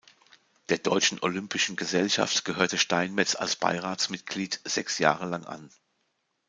Der Deutschen Olympischen Gesellschaft gehörte Steinmetz als Beiratsmitglied sechs Jahre lang an.